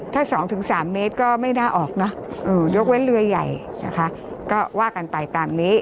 ถ้า๒๓เมตรก็ไม่น่าออกเนอะยกเว้นเรือใหญ่นะคะก็ว่ากันไปตามนี้